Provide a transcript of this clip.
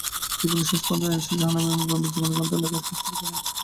জীবনের শেষ প্রান্তে এসে জাহানারা ইমাম রুমীর জীবনীগ্রন্থ লেখার কাজ শুরু করেন।